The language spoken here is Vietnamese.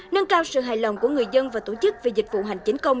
nâng cao sự hài lòng của người dân và tổ chức về dịch vụ hành chính công